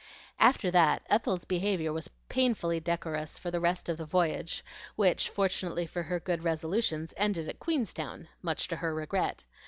After that Ethel's behavior was painfully decorous for the rest of the voyage, which, fortunately for her good resolutions, ended at Queenstown, much to her regret.